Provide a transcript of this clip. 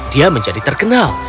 dia menjadi terkenal